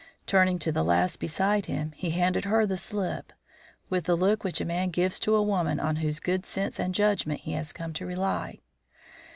Turning to the lass beside him, he handed her the slip, with the look which a man gives to a woman on whose good sense and judgment he has come to rely.